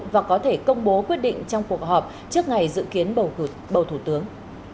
và có thể công bố quyết định trong cuộc họp trước ngày dự kiến bầu thủ tướng